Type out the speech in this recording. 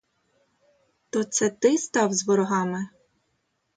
То це ти став з ворогами?